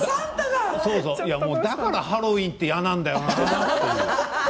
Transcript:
だからハロウィーンって嫌なんだよな。